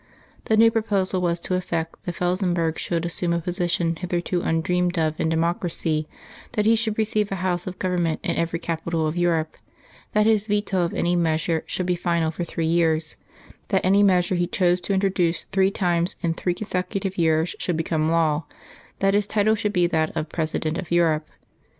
The new proposal was to the effect that Felsenburgh should assume a position hitherto undreamed of in democracy; that he should receive a House of Government in every capital of Europe; that his veto of any measure should be final for three years; that any measure he chose to introduce three times in three consecutive years should become law; that his title should be that of President of Europe.